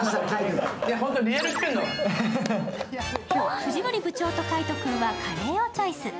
藤森部長と海音君はカレーをチョイス。